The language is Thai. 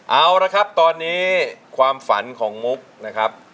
เอาละครับตอนนี้ความฝันของมุกนะครับ